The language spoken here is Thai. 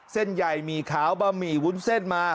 เส้นใหญ่หมี่ขาวบะหมี่วุ้นเส้นมา